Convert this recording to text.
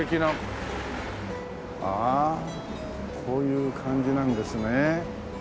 ああこういう感じなんですね。